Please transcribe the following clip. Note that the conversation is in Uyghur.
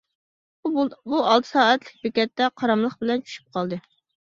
ئۇ بۇ ئالتە سائەتلىك بېكەتتە قاراملىق بىلەن چۈشۈپ قالدى.